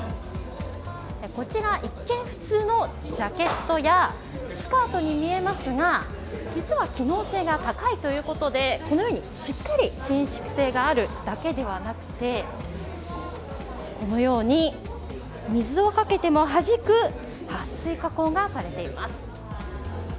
こちら一見普通のジャケットやスカートに見えますが実は機能性が高いということでこのようにしっかり伸縮性があるだけではなくこのように水をかけてもはじくはっ水加工がされています。